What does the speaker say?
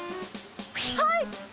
はい！